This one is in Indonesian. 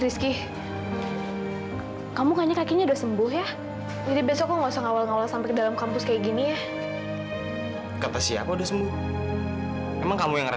sampai jumpa di video selanjutnya